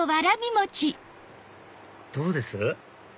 どうです？